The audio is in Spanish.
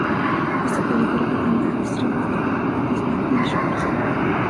Esta película es la primera distribuida por Walt Disney Pictures.